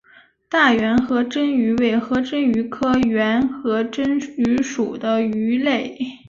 大圆颌针鱼为颌针鱼科圆颌针鱼属的鱼类。